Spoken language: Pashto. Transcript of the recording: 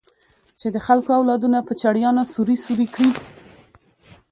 چې د خلکو اولادونه په چړيانو سوري سوري کړي.